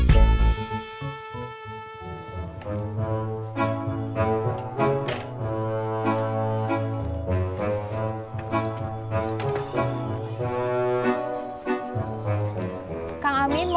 bentar ya mas ya